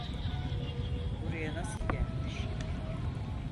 Buraya nasıl gelmiş?